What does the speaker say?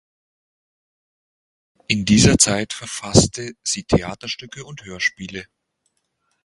In dieser Zeit verfasste sie Theaterstücke und Hörspiele.